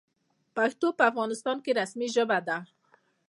پښتو په افغانستان کې رسمي ژبه ده.